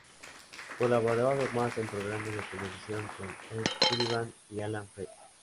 Colaboró además en programas de televisión con Ed Sullivan y Alan Freed.